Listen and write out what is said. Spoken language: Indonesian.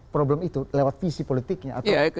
problem itu lewat visi politiknya atau